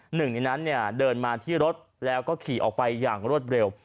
หนึ่งในนั้นเนี่ยเดินมาที่รถแล้วก็ขี่ออกไปอย่างรวดเร็ว